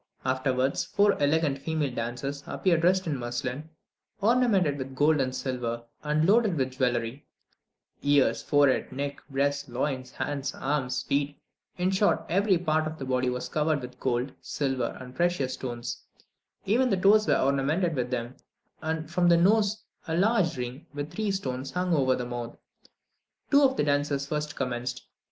Afterwards, four elegant female dancers appeared dressed in muslin, ornamented with gold and silver, and loaded with jewellery, ears, forehead, neck, breast, loins, hands, arms, feet, in short, every part of the body was covered with gold, silver, and precious stones; even the toes were ornamented with them, and from the nose, a large ring with three stones hung over the mouth. Two of the dancers first commenced.